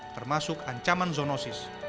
termasuk ancaman zoonosis